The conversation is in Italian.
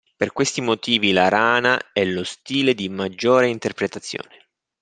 Per questi motivi la rana è lo stile di maggiore interpretazione.